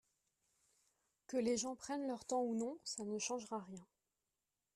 Que les gens prennent leur temps ou non ça ne changera rien.